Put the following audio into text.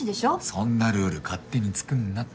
そんなルール勝手に作んなって。